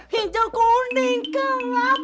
hijau kuning kelam bau